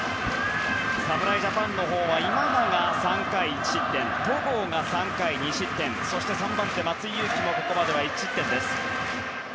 侍ジャパンのほうは今永、３回１失点戸郷が３回２失点そして３番手の松井裕樹もここまでは１失点です。